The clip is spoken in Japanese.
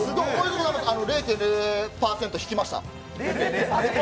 ０．０％引きました。